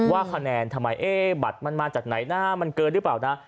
ว่าคะแนนทำไมบัตรมันมาจากไหนนะมันเกินหรือเปล่านะ